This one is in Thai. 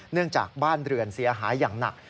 เนื่องจากบ้านเรือนเสียหายอย่างหนัก